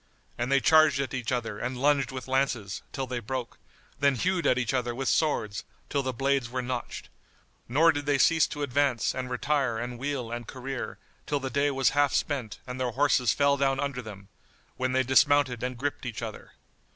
And they charged at each other and lunged with lances, till they broke, then hewed at each other with swords, till the blades were notched; nor did they cease to advance and retire and wheel and career, till the day was half spent and their horses fell down under them, when they dismounted and gripped each other.